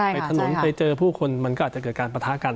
ไปถนนไปเจอผู้คนมันก็อาจจะเกิดการปะทะกัน